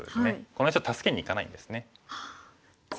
この石を助けにいかないんですね。